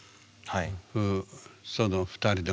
はい。